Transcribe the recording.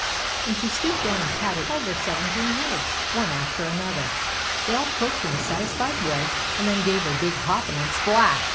And she stooped down and patted all their seven green heads one after another. They all croaked in a satisfied way, and then gave a big hop, and went splash